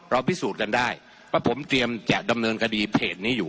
พิสูจน์กันได้ว่าผมเตรียมจะดำเนินคดีเพจนี้อยู่